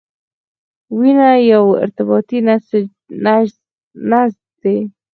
وینه یو ارتباطي نسج دی.